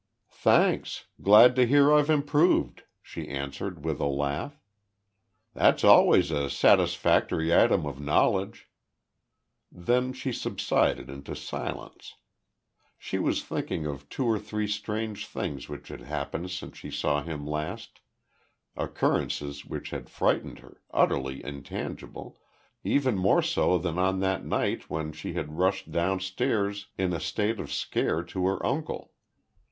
"Thanks. Glad to hear I've improved," she answered, with a laugh. "That's always a satisfactory item of knowledge." Then she subsided into silence. She was thinking of two or three strange things which had happened since she saw him last occurrences which had frightened her, utterly intangible, even more so than on that night when she had rushed downstairs in a state of scare to her uncle.